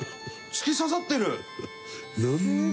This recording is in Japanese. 突き刺さってるよ。